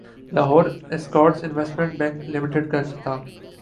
Lahore escorts investment bank لمیٹڈکاافتتاح